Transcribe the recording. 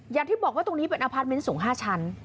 อย่างที่บอกว่าตรงนี้เป็นอพาร์ทเมนต์สูง๕ชั้น